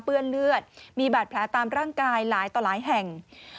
เลือดมีบาดแผลตามร่างกายหลายต่อหลายแห่ง